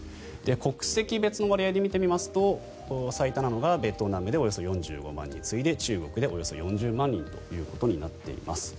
国籍別の割合で見てみますと最多なのがベトナムでおよそ４５万人次いで中国でおよそ４０万人ということになっています。